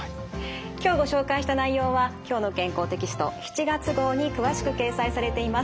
今日ご紹介した内容は「きょうの健康」テキスト７月号に詳しく掲載されています。